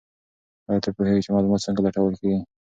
ایا ته پوهېږې چې معلومات څنګه لټول کیږي؟